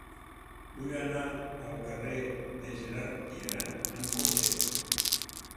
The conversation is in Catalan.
Vull anar al carrer de Gerard Piera amb cotxe.